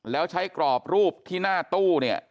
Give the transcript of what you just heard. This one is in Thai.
แล้วใช้กรอบรูปที่หน้าตู้เนี่ย